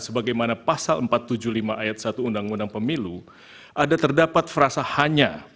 sebagaimana pasal empat ratus tujuh puluh lima ayat satu undang undang pemilu ada terdapat frasa hanya